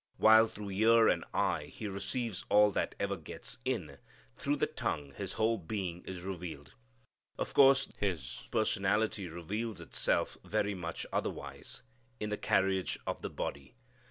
While through ear and eye he receives all that ever gets in, through the tongue his whole being is revealed. Of course his personality reveals itself very much otherwise. In the carriage of the body.